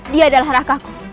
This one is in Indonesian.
dia adalah rakaku